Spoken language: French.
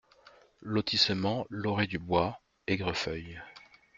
LOTISSEMENT L OREE DU BOIS, Aigrefeuille